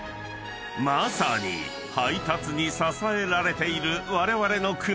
［まさに配達に支えられているわれわれの暮らしだが］